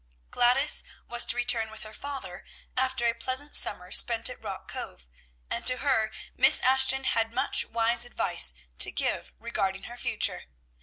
Gladys was to return with her father after a pleasant summer spent at Rock Cove, and to her, Miss Ashton had much wise advice to give regarding her future.